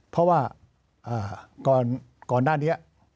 เพราะว่าก่อนหน้านี้